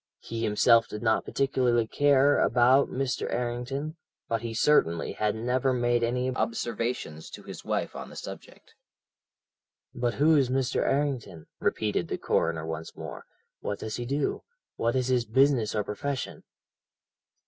He himself did not particularly care about Mr. Errington, but he certainly had never made any observations to his wife on the subject. "'But who is Mr. Errington?' repeated the coroner once more. 'What does he do? What is his business or profession?'